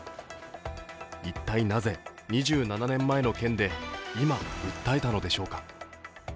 一体なぜ２７年前の件で今、訴えたのでしょうか。